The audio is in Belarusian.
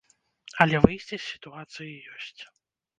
Але выйсце з сітуацыі ёсць.